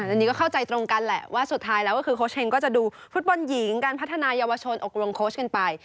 อันนี้ก็เข้าใจตรงกันแหละว่าสุดท้ายแล้วก็คือโค้ชเฮงก็จะดูฟุตบอลหญิงการพัฒนายาวชนอกรวมโค้ชกันไป